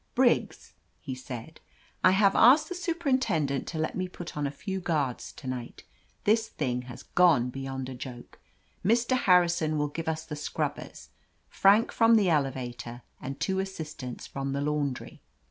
*'Briggs," he said, "I have asked the superin tendent to let me put on a few guards to night. This thing has gone beyond a joke. Mr. Har rison will give us the scrubbers, Frank, from the elevator and two assistants from the laundry.